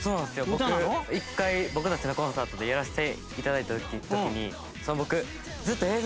僕一回僕たちのコンサートでやらせて頂いた時に僕ずっとＨｅｙ！